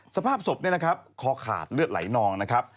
สภาพศพนี่นะครับคอขาดเลือดไหลนองนะครับ